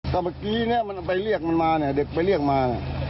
ก็เมื่อกี้เนี่ยมันไปเรียกมันมาเนี่ยเด็กไปเรียกมาเนี่ย